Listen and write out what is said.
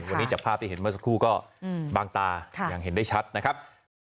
วันนี้จากภาพที่เห็นเมื่อสักครู่ก็บางตาอย่างเห็นได้ชัดนะครับ